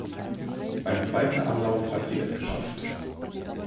Beim zweiten Anlauf hat sie es geschafft.